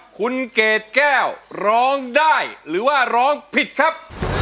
คุณเกดแก้วร้องได้หรือว่าร้องผิดครับ